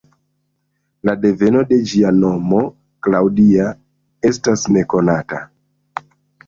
La deveno de ĝia nomo, ""Claudia"", estas nekonata.